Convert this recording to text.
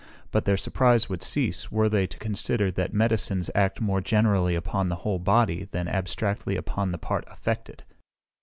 But their surprise would cease, were they to consider, that medicines act more generally upon the whole body than abstractedly upon the part affected.